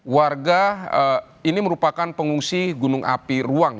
warga ini merupakan pengungsi gunung api ruang